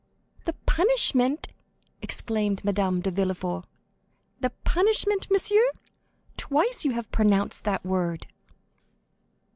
"The punishment?" exclaimed Madame de Villefort, "the punishment, monsieur? Twice you have pronounced that word!"